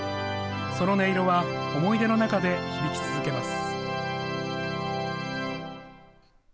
その音色は思い出の中で響き続けます。